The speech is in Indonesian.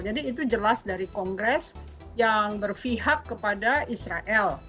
jadi itu jelas dari kongres yang berpihak kepada israel